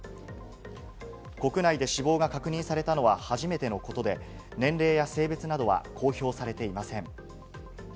国内で死亡が確認されたのは初めてのことで、年齢や性別などは公表されていません。